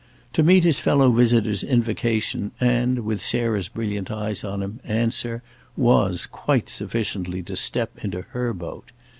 To meet his fellow visitor's invocation and, with Sarah's brilliant eyes on him, answer, was quite sufficiently to step into her boat.